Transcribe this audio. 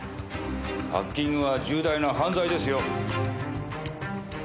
ハッキングは重大な犯罪ですよ。